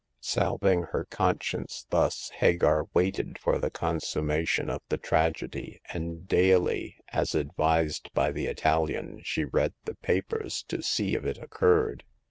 Salving her conscience thus, Hagar waited for the consummation of the tragedy, and daily, as advised by the Italian, she The Fourth Customer. 119 read the papers to see if it occurred.